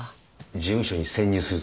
事務所に潜入するつもり？